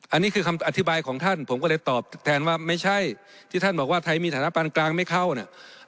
อันนี้คือคำอธิบายของท่านผมก็เลยตอบแทนว่าไม่ใช่ที่ท่านบอกว่าไทยมีฐานปันกลางไม่เข้าเนี่ย